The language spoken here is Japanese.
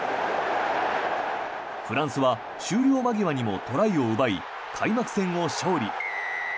フランスは終了間際にもトライを奪い開幕戦を勝利。